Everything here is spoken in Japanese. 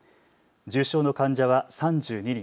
重症の患者は３２人。